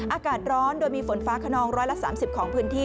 อากาศร้อนโดยมีฝนฟ้าขนอง๑๓๐ของพื้นที่